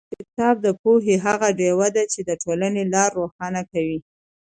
کتاب د پوهې هغه ډېوه ده چې د ټولنې لار روښانه کوي.